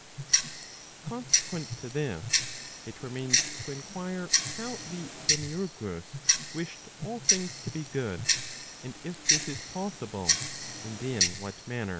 Consequent to this, it remains to enquire how the demiurgus wished all things to be good, and if this is possible, and in what manner.